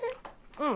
うん。